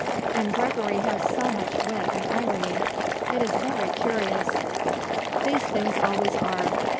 And Gregory has so much wit and irony. It is very curious." "These things always are.